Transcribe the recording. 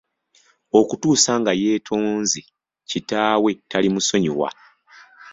Okutuusa nga yeetonze kitaawe talimusonyiwa.